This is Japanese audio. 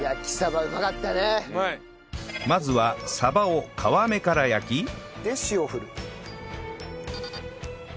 まずは鯖を皮目から焼きで塩を振る。